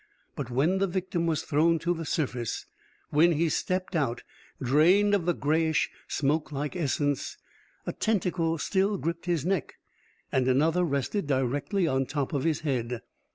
But when the victim was thrown to the surface, when he stepped out, drained of the grayish smokelike essence, a tentacle still gripped his neck and another rested directly on top of his head.